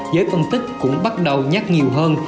giới phân tích cũng bắt đầu nhắc nhiều hơn